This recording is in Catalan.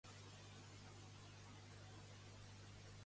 De qui està a favor l'exalcalde de Barcelona?